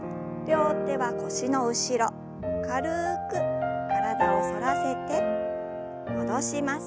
両手は腰の後ろ軽く体を反らせて戻します。